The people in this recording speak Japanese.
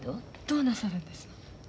どうなさるんですの？